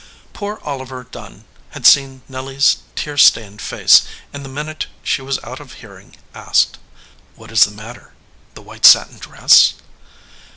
Poor Oliver Dunn had seen Nelly s tear stained face, and the minute she was out of hearing asked : "What is the matter the white satin dress?"